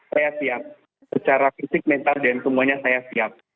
saya siap secara fisik mental dan semuanya saya siap